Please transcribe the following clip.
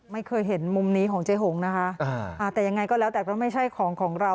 ไม่เคยเห็นมุมนี้ของเจ๊หงนะคะอ่าแต่ยังไงก็แล้วแต่ก็ไม่ใช่ของของเรา